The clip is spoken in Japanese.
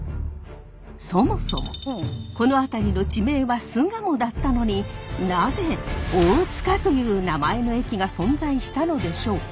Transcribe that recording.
そもそもこの辺りの地名は巣鴨だったのになぜ大塚という名前の駅が存在したのでしょうか？